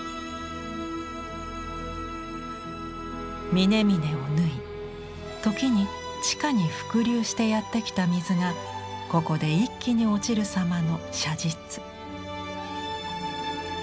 峰々を縫い時に地下に伏流してやって来た水がここで一気に落ちるさまの写実。